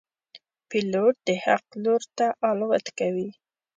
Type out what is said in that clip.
پیلوټ د حق لور ته الوت کوي.